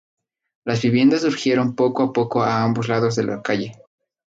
Las viviendas surgieron poco a poco a ambos lados de la calle.